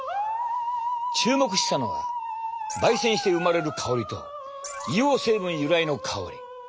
注目したのは焙煎して生まれる香りと硫黄成分由来の香り。